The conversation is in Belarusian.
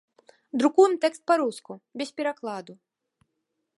Друкуем тэкст па-руску, без перакладу.